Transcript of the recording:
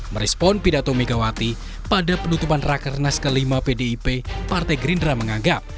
merespon pidato megawati pada penutupan rakernas ke lima pdip partai gerindra menganggap